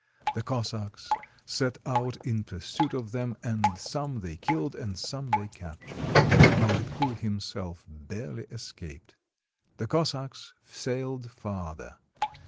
The Cossacks set out in pursuit of them, and some they killed, and some they captured. Mametkul himself barely escaped. The Cossacks sailed farther.